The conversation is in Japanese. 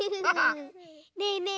ねえねえ